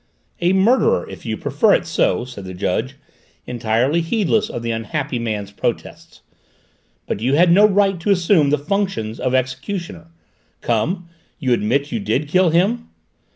"A murderer, if you prefer it so," said the judge, entirely heedless of the unhappy man's protests. "But you had no right to assume the functions of executioner. Come, you admit you did kill him?"